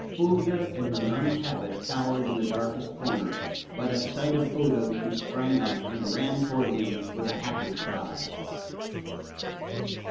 Fulvia, in her nun's habit, cowered in the darkest corner; but at sight of Odo she sprang up, and ran toward him with a happy cry.